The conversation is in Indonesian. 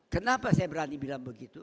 kenapa saya berani bilang begitu